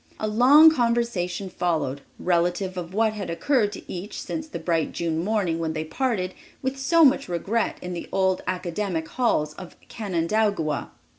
A long conversation followed, relative to what had occurred to each since the bright June morning when they parted with so much regret in the old academic halls of Canandaigua.